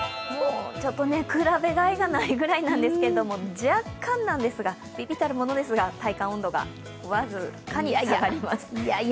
ちょっと比べがいがないぐらいなんですけども、若干なんですが、微々たるものですが、体感温度が僅かに下がります。